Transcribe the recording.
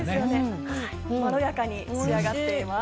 まろやかに仕上がっています。